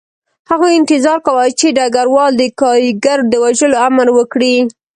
هغوی انتظار کاوه چې ډګروال د کارګر د وژلو امر وکړي